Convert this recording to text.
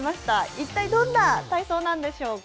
一体、どんな体操なんでしょうか。